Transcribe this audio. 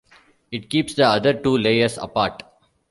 It keeps the other two layers apart.